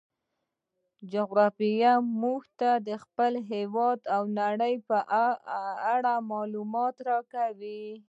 جغرافیه موږ ته د خپل هیواد او نړۍ په اړه معلومات راکوي.